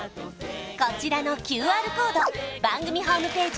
こちらのＱＲコード番組ホームページ